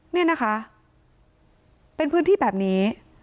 นี่นะคะเป็นพื้นที่แบบนี้